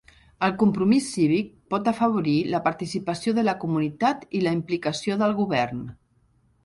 El compromís cívic pot afavorir la participació de la comunitat i la implicació del govern.